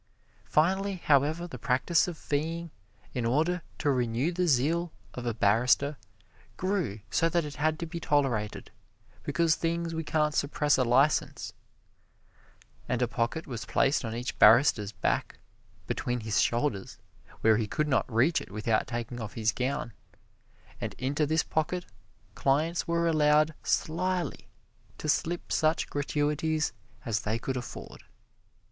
Finally, however, the practise of feeing in order to renew the zeal of a barrister grew so that it had to be tolerated, because things we can't suppress we license, and a pocket was placed on each barrister's back between his shoulders where he could not reach it without taking off his gown, and into this pocket clients were allowed slyly to slip such gratuities as they could afford.